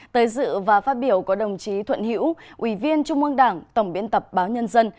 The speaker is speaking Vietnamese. tới dự và phát biểu có đồng chí thuận hữu ủy viên trung ương đảng tổng biên tập báo nhân dân